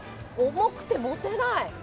重くて持てない。